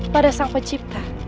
pada sang pencipta